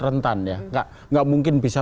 rentan ya nggak mungkin bisa